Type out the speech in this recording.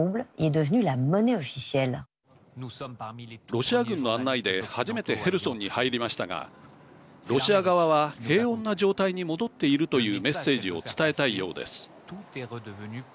ロシア軍の案内で初めてヘルソンに入りましたがロシア側は平穏な状態に戻っているというメッセージを伝えたいようです。